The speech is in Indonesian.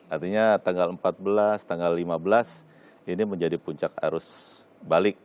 artinya tanggal empat belas tanggal lima belas ini menjadi puncak arus balik